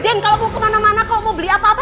den kalau mau kemana mana kau mau beli apa apa